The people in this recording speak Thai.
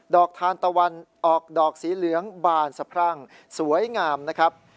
อกทานตะวันออกดอกสีเหลืองบานสะพรั่งสวยงามนะครับ